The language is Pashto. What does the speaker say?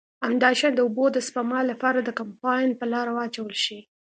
همداشان د اوبو د سپما له پاره د کمپاین پر لاره واچول شي.